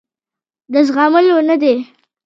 د زغملو نه دي.